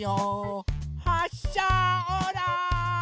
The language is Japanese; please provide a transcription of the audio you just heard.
はっしゃオーライ！